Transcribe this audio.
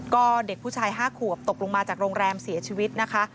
ก็เด็กผู้ชาย๕ขวบตกลงมาจากโรงแรมเสียชีวิตนะคะ